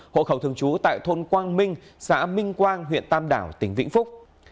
hộ khẩu thường trú tại thôn quang minh xã minh quang huyện tam đảo tỉnh vĩnh phúc